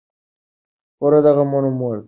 پور د غمونو مور ده.